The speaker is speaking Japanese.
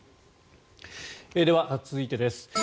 では、続いてです。